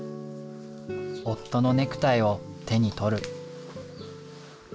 夫のネクタイを手に取る。